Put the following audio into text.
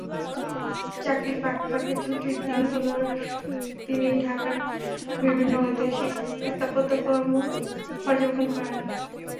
চাকরির ফাঁকে ফাঁকে ছুটির দিনগুলোয় তিনি ঢাকার বিভিন্ন ঐতিহাসিক স্থাপত্যকর্ম পর্যবেক্ষণ করেন।